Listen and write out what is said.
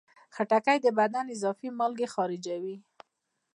خټکی د بدن اضافي مالګې خارجوي.